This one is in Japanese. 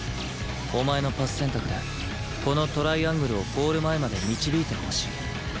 お前のパス選択でこのトライアングルをゴール前まで導いてほしい